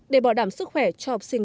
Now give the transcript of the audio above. để bảo đảm sức khỏe cho học sinh